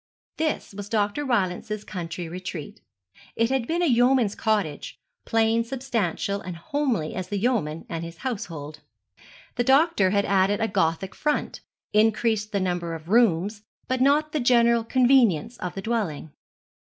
This was Dr. Rylance's country retreat. It had been a yeoman's cottage, plain, substantial and homely as the yeoman and his household. The doctor had added a Gothic front, increased the number of rooms, but not the general convenience of the dwelling.